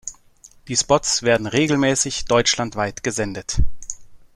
Die Spots werden regelmäßig deutschlandweit gesendet.